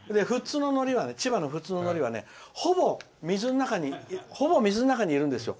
富津ののりはほぼ、水の中にいるんですよ。